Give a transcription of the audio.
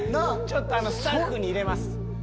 ちょっとスタッフに入れます